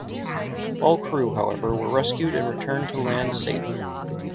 All crew however were rescued and returned to land safe.